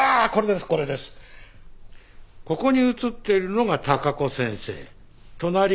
ここに写っているのが貴子先生隣が徹先生。